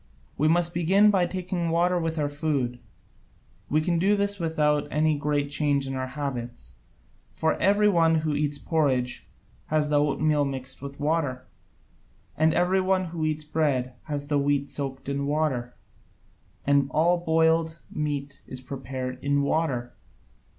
We must begin by taking water with our food: we can do this without any great change in our habits. For every one who eats porridge has the oatmeal mixed with water, and every one who eats bread has the wheat soaked in water, and all boiled meat is prepared in water.